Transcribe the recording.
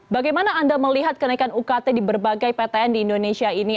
bagaimana anda melihat kenaikan ukt di berbagai ptn di indonesia ini